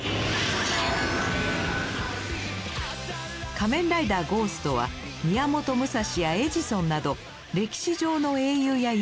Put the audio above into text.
仮面ライダーゴーストは宮本武蔵やエジソンなど歴史上の英雄や偉人の力を借りて戦います。